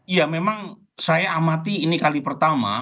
ya memang saya amati ini kali pertama